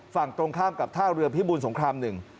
ฝั่งตรงข้ามกับท่าเรือพิบูลสงครามหนึ่ง